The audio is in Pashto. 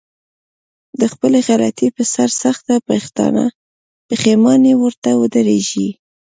د خپلې غلطي په سر سخته پښېماني ورته ودرېږي.